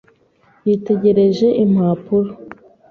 Yitegereje impapuro.